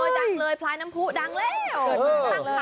ดังเลยพลายน้ำผู้ดังแล้ว